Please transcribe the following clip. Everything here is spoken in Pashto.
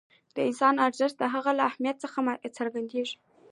د انسان ارزښت د هغه له اهمیت څخه څرګندېږي.